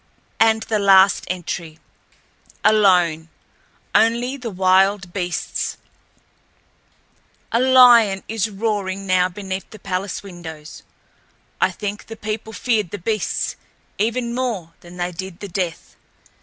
And the last entry: "... alone. Only the wild beasts ... A lion is roaring now beneath the palace windows. I think the people feared the beasts even more than they did the Death.